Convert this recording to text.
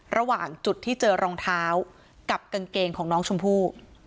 ระหว่างจุดที่เจอรองเท้ากับกางเกงของน้องชมพู่